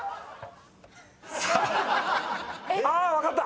あ分かった！